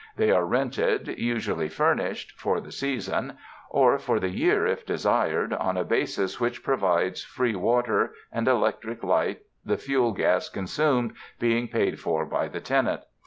They are rented, usually furnished, for the season, or for the year if desired, on a basis which provides free water and electric light, the fuel gas consumed being paid for by the tenant.